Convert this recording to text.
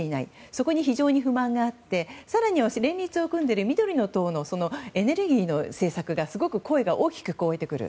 そこに非常に不満があって更には連立している緑の党のエネルギーの政策がすごく声が大きく聞こえてくる。